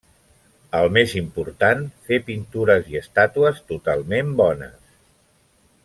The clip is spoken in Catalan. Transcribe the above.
El més important, fer pintures i estàtues totalment bones.